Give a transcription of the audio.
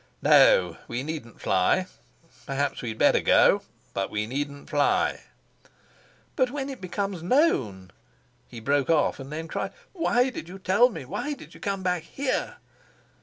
"No, we needn't fly. Perhaps we'd better go, but we needn't fly." "But when it becomes known?" He broke off and then cried: "Why did you tell me? Why did you come back here?"